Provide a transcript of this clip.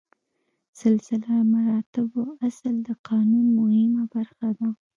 سلسله مراتبو اصل د قانون مهمه برخه ده.